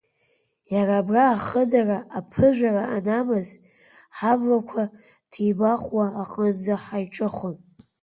Иара абра ахыдара аԥыжәара анамаз, ҳаблақәа ҭибахуа аҟынӡа ҳаиҿыхон.